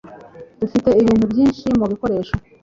Dufite ibintu byinshi mubikoresho